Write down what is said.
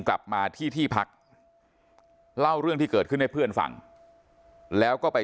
กลับมาที่ที่พักเล่าเรื่องที่เกิดขึ้นให้เพื่อนฟังแล้วก็ไป